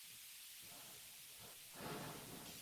El plan sale mal y Zoom consigue llevarse a Joe.